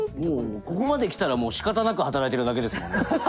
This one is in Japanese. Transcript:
もうここまで来たらしかたなく働いてるだけですもんね。